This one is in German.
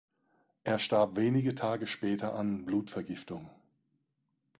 Er starb wenige Tage später an Blutvergiftung.